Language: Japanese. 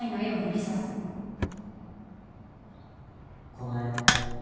この絵。